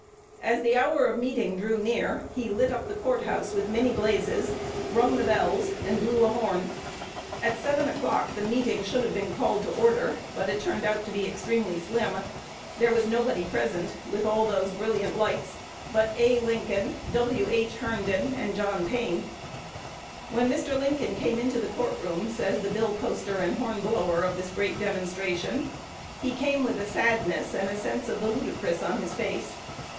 As the hour of meeting drew near, he "lit up the Court House with many blazes," rung the bells, and blew a horn. At seven o'clock the meeting should have been called to order, but it turned out to be extremely slim. There was nobody present, with all those brilliant lights, but A. Lincoln, W. H. Herndon, and John Pain. "When Lincoln came into the courtroom," says the bill poster and horn blower of this great demonstration, "he came with a sadness and a sense of the ludicrous on his face.